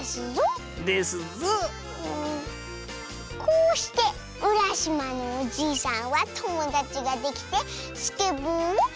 こうしてうらしまのおじいさんはともだちができてスケボーをはじめたとさ。